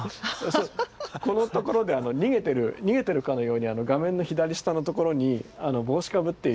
このところで逃げてる逃げてるかのように画面の左下のところに帽子かぶっている。